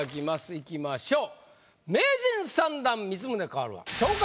いきましょう。